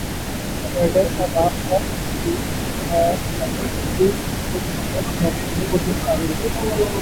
tax اہداف کا حصولایف بی کو مکمل خود مختاری دے دی